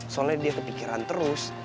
soalnya dia kepikiran terus